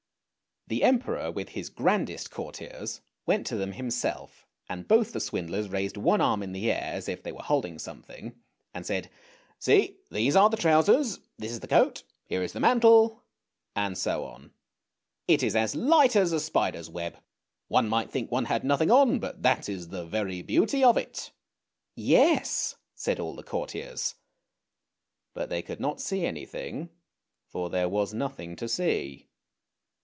" The Emperor, with his grandest courtiers, went to them himself, and both the swindlers raised one arm in the air, as if they were holding something, and said: " See, these are the trousers, this is the coat, here is the mantle! " and so on. " It is as light as a spider's web. One might think one had nothing on, but that is the very beauty of it! "' Yes! " said all the courtiers, but they could not see any thing, for there was nothing to see.